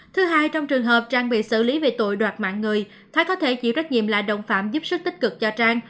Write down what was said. thứ hai trong trường hợp trang bị xử lý về tội đoạt mạng người thái có thể chịu trách nhiệm lại đồng phạm giúp sức tích cực cho trang